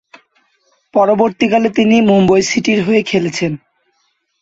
পরবর্তীকালে, তিনি মুম্বই সিটির হয়ে খেলেছেন।